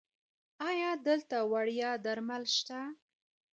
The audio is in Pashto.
ایا دلته وړیا درمل شته؟